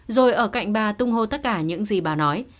rồi ở cạnh bà tung hô tất cả những gì bà nói